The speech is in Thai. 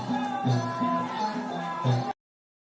การทีลงเพลงสะดวกเพื่อความชุมภูมิของชาวไทย